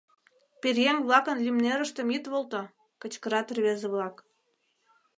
Пӧръеҥ-влакын лӱмнерыштым ит волто! — кычкырат рвезе-влак.